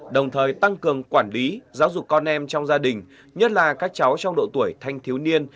đồng thời tăng cường quản lý giáo dục con em trong gia đình nhất là các cháu trong độ tuổi thanh thiếu niên